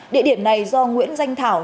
địa điểm này do nguyễn danh thảo